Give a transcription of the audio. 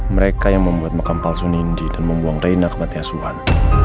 mereka yang membuat makam palsu nindi dan membuang reina kematian suhan